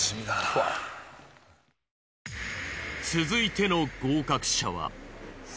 続いての合格者は。